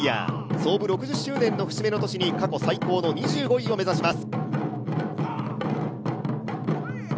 創部６０周年の節目の年に過去最高の２５位を目指します。